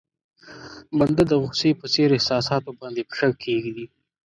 بنده د غوسې په څېر احساساتو باندې پښه کېږدي.